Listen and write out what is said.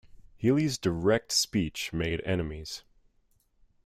Healey's direct speech made enemies.